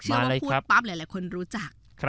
ชั่วว่าพูดป๊าบหลายคนรู้จัก